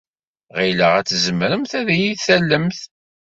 Ɣileɣ ad tzemremt ad iyi-tallemt.